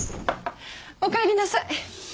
おかえりなさい。